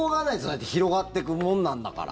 だって広がっていくもんなんだから。